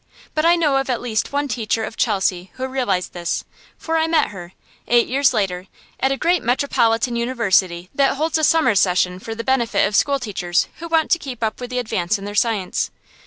But I know of at least one teacher of Chelsea who realized this; for I met her, eight years later, at a great metropolitan university that holds a summer session for the benefit of school teachers who want to keep up with the advance in their science.